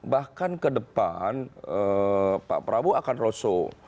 bahkan ke depan pak prabowo akan roso